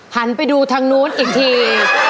หันไปดูทางนู้นอีกที